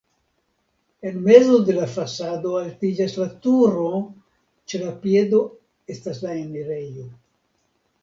En mezo de la fasado altiĝas la turo, ĉe la piedo estas la enirejo.